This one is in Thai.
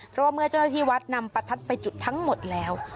เพราะว่าเมื่อเจ้าหน้าที่วัดนำประทัดไปจุดทั้งหมดแล้ว